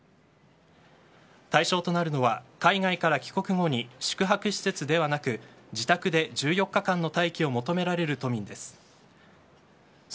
対象となるのは海外から帰国後に宿泊施設ではなく自宅で１４日間の待機を求められる都民です。